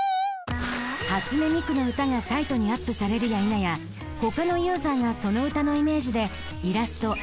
初音ミクの歌がサイトにアップされるやいなや他のユーザーがその歌のイメージでイラスト・動画を作ってアップ。